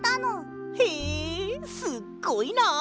へえすっごいな！